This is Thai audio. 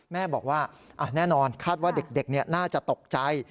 แม่บอกว่าแน่นอนคาดว่าเด็กน่าจะตกใจ